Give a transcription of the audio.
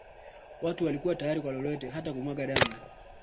Watu walikuwa tayari kwa lolote hata kumwaga damu